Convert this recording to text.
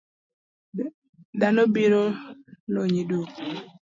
Dhano biro lonyi duk .